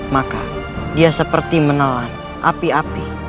maka dia seperti menelan api api